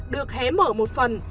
được hé mở một phần